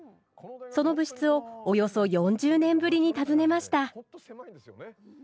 その部室をおよそ４０年ぶりに訪ねました。